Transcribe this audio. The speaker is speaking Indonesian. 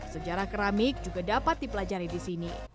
sejarah keramik juga dapat dipelajari di sini